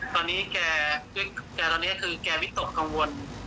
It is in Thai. ตอนนี้คือแกวิตกกังวล